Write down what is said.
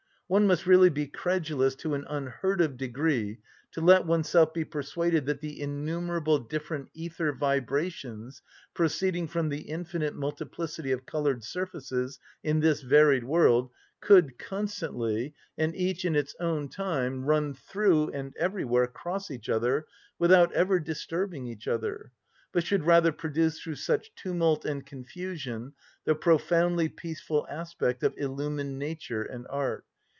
One must really be credulous to an unheard‐of degree to let oneself be persuaded that the innumerable different ether vibrations proceeding from the infinite multiplicity of coloured surfaces in this varied world could constantly, and each in its own time, run through and everywhere cross each other without ever disturbing each other, but should rather produce through such tumult and confusion the profoundly peaceful aspect of illumined nature and art.